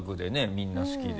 みんな好きで。